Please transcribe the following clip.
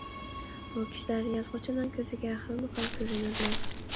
بۇ كىشىلەر يازغۇچىنىڭ كۆزىگە خىلمۇ-خىل كۆرۈنىدۇ.